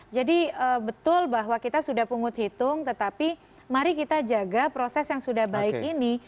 jadi betul bahwa kita sudah pungut hitung tetapi mari kita jaga proses yang sudah baik ini